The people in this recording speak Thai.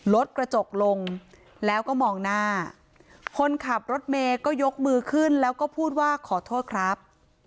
รถกระจกลงแล้วก็มองหน้าคนขับรถเมย์ก็ยกมือขึ้นแล้วก็พูดว่าขอโทษครับ